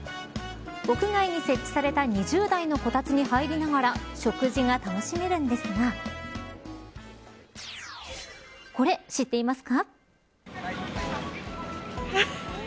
屋外に設置された２０台のこたつに入りながら食事が楽しめるんですがこれ、知っていますか。